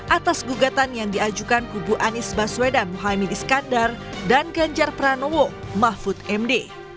atas gugatan yang diajukan kubu anies baswedan mohaimin iskandar dan ganjar pranowo mahfud md